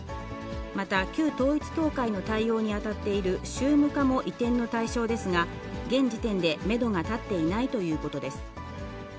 また、旧統一教会の対応に当たっている宗務課も移転の対象ですが、現時点でメドが立っていないということです。